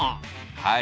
はい。